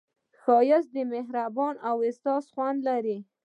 ښایست د مهربان احساس خوند لري